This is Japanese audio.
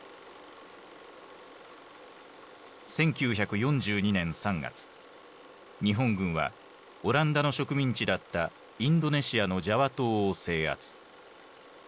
１９４２年３月日本軍はオランダの植民地だったインドネシアのジャワ島を制圧。